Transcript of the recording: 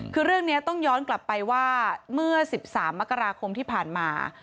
คือเรื่องนี้ต้องย้อนกลับไปว่าเมื่อ๑๓มกราคมที่ผ่านมา